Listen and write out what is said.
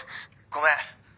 「ごめん。